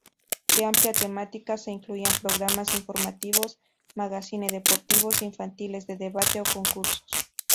De amplia temática se incluían programas informativos, magazine, deportivos, infantiles, de debate o concursos.